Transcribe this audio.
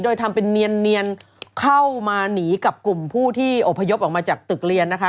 โดยทำเป็นเนียนเข้ามาหนีกับกลุ่มผู้ที่อบพยพออกมาจากตึกเรียนนะคะ